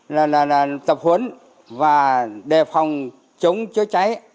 là tập huấn và đề phòng chống chữa cháy